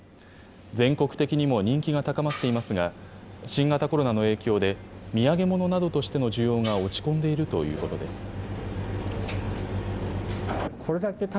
全国的にも人気が高まっていますが、新型コロナの影響で、土産物などとしての需要が落ち込んでいるということです。